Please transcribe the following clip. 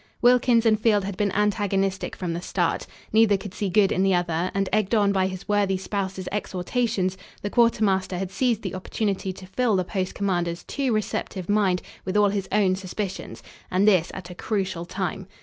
Wilkins and Field had been antagonistic from the start. Neither could see good in the other and, egged on by his worthy spouse's exhortations, the quartermaster had seized the opportunity to fill the post commander's too receptive mind with all his own suspicions and this at a crucial time.